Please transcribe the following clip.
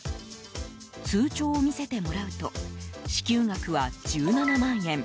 通帳を見せてもらうと支給額は１７万円。